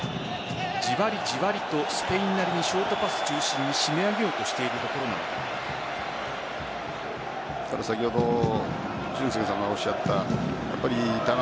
じわりじわりとスペインなりにショートパス中心に締め上げようとしているところなんでしょうか？